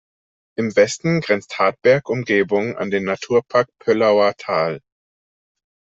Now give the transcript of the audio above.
Im Westen grenzt Hartberg Umgebung an den Naturpark Pöllauer Tal.